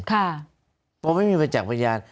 เพราะไม่มีประจักษ์พยาน